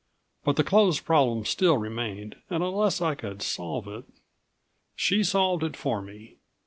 But the clothes problem still remained, and unless I could solve it She solved it for me.